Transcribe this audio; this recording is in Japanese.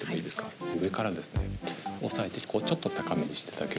上からですね押さえてちょっと高めにして頂けると。